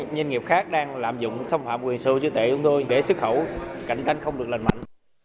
nhiên nghiệp khác đang lạm dụng xâm phạm quyền sở hữu chứa tệ của chúng tôi để xuất khẩu cạnh tranh không được lành mạnh